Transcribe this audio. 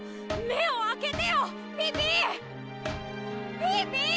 目を開けてよピピ！